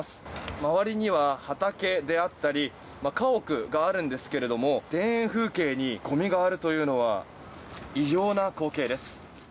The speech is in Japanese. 周りには畑であったり家屋があるんですが田園風景にごみがあるというのは異常な光景です。